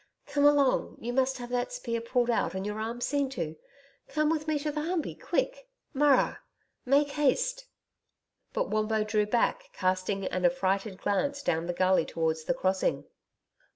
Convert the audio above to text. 'Come along. You must have that spear pulled out and your arm seen to. Come with me to the Humpey. Quick MURRA* make haste.' [*Murra make haste To run quickly.] But Wombo drew back, casting an affrighted glance down the gully towards the crossing.